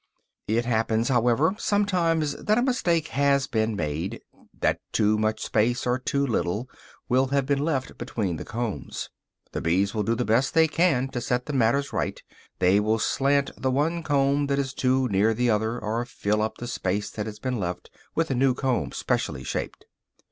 It happens, however, sometimes that a mistake has been made; that too much space, or too little, will have been left between the combs. The bees will do the best they can to set matters right; they will slant the one comb that is too near the other, or fill up the space that has been left with a new comb specially shaped.